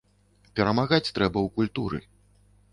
Перамагаць трэба ў культуры.